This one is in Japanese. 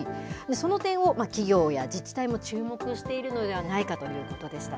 その点を企業や自治体も注目しているのではないかということでした。